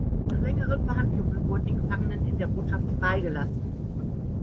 Nach längeren Verhandlungen wurden die Gefangenen in der Botschaft freigelassen.